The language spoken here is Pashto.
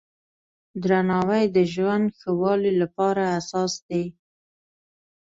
درناوی د ژوند ښه والي لپاره اساس دی.